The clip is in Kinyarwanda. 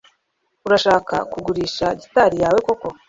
Urashaka kugurisha gitari yawe koko